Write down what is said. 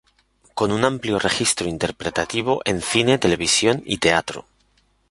Con un amplio registro interpretativo en Cine, Televisión y Teatro.